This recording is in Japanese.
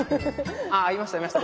あいましたいました。